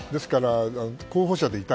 候補者でいたい。